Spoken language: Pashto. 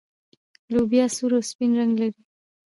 لوبیا سور او سپین رنګ لري.